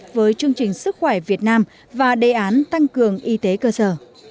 với chương trình sức khỏe việt nam và đề án tăng cường y tế cơ sở